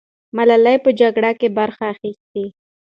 ملالۍ په جګړه کې برخه اخیستې.